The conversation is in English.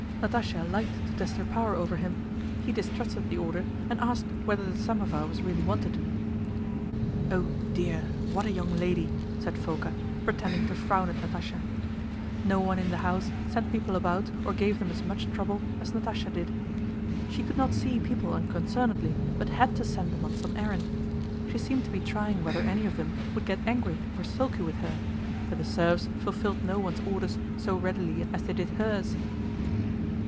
Natásha liked to test her power over him. He distrusted the order and asked whether the samovar was really wanted. "Oh dear, what a young lady!" said Fóka, pretending to frown at Natásha. No one in the house sent people about or gave them as much trouble as Natásha did. She could not see people unconcernedly, but had to send them on some errand. She seemed to be trying whether any of them would get angry or sulky with her; but the serfs fulfilled no one's orders so readily as they did hers.